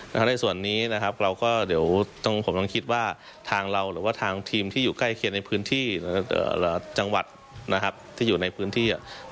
ช่วงในส่วนนี้ผมคิดว่าทางเราหรือทางทีมที่อยู่ใกล้เคียนในพื้นที่